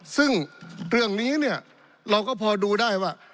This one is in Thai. ซึ่งเรื่องนี้เนี่ยเราก็พอดูได้ว่า